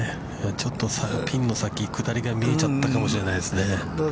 ちょっとピンの先、下りが見えちゃったかもしれないですね。